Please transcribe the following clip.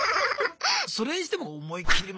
それにしても思い切りましたね。